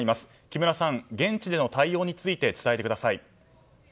木村さん、現地での対応について伝えてください。